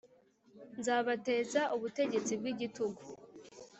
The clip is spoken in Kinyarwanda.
Nzabateza ubutegetsi bw’igitugu,